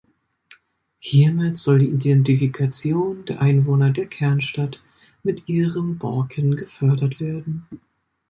Hiermit soll die Identifikation der Einwohner der "Kernstadt" mit „ihrem“ Borken gefördert werden.